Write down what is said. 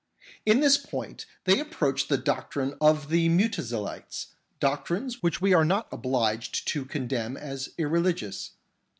In this point they approach the doctrine of the Mutazilites, doctrines which we are not obliged to condemn as irreligious.